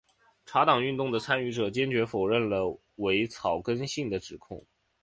茶党运动的参与者坚决否认了伪草根性的指控。